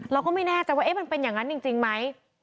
เราก็ไม่แน่ใจว่ามันเป็นอย่างนั้นจริงไหม